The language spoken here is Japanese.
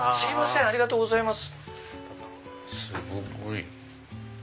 ありがとうございます。